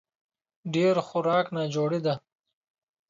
ډېر خوراک ناجوړي ده